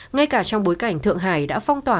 ngay cả trong bối cảnh thượng hải đã phong tỏa